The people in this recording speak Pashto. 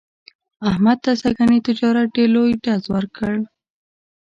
احمد ته سږني تجارت ډېر لوی ډز ور کړ.